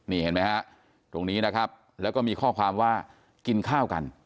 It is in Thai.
นี่เห็นไหมฮะตรงนี้นะครับแล้วก็มีข้อความว่ากินข้าวกัน